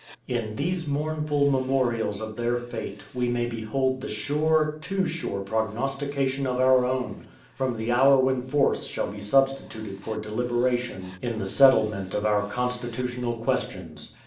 In these mournful memorials of their fate, we may behold the sure, too sure prognostication of our own, from the hour when force shall be substituted for deliberation in the settlement of our Constitutional questions.